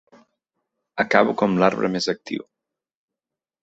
Acabo com l'arbre més actiu.